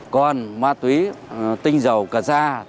còn ma túy tinh dầu cà ra